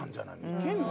いけんの？